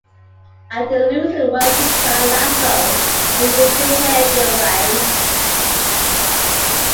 After losing the welter crown Latzo invaded the heavier ranks.